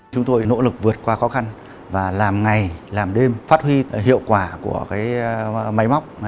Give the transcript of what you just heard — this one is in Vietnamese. chúng tôi nỗ lực vượt qua khó khăn và làm ngày làm đêm phát huy hiệu quả của máy móc